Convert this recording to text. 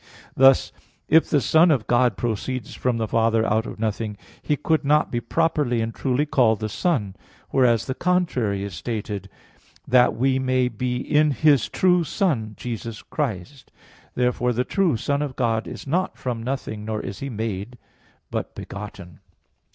Thus, if the Son of God proceeds from the Father out of nothing, He could not be properly and truly called the Son, whereas the contrary is stated (1 John 5:20): "That we may be in His true Son Jesus Christ." Therefore the true Son of God is not from nothing; nor is He made, but begotten.